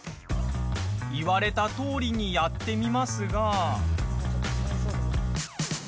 言われたとおりにやってみますが。